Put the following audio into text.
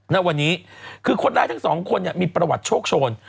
ณวันนี้คือคนร้ายทั้งสองคนเนี่ยมีประวัติโชคโชน